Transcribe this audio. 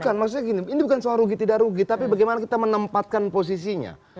bukan maksudnya gini ini bukan soal rugi tidak rugi tapi bagaimana kita menempatkan posisinya